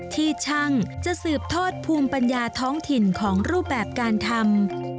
ที่ช่างจะสืบทอดภูมิปัญญาท้องถิ่นของรูปแบบการทำ